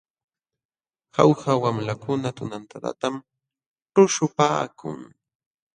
Jauja wamlakuna tunantadatam tuśhupaakun.